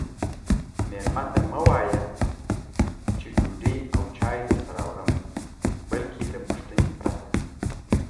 میلمه ته مه وایئ چې ډوډۍ او چای درته راوړم بلکې له پوښتنې پرته